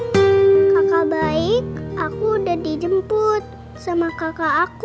hmm kakak baik aku udah dijemput sama kakak aku